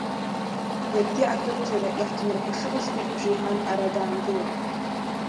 Иаргьы акырџьара иаҳҭынрақәа шыҟазгьы, бжеиҳан ара даангылон.